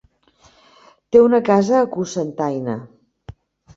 Té una casa a Cocentaina.